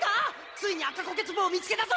ついに赤こけ壺を見つけたぞ！